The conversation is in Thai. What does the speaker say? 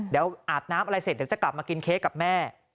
เดี๋ยวอาบน้ำอะไรเสร็จเดี๋ยวจะกลับมากินเค้กกับแม่